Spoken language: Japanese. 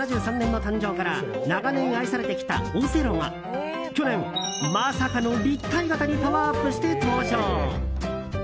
１９７３年の誕生から長年愛されてきたオセロが去年、まさかの立体型にパワーアップして登場。